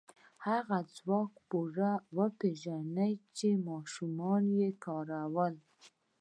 هغه ځواک به پوره وپېژنئ چې ماشومې کارولی و.